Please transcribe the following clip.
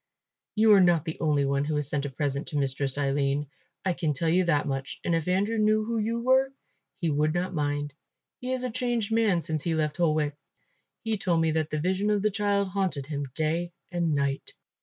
You are not the only one who has sent a present to Mistress Aline. I can tell you that much, and if Andrew knew who you were, he would not mind. He is a changed man since he left Holwick. He told me that the vision of the child haunted him day and night.